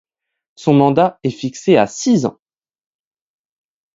Son mandat est fixé à six ans.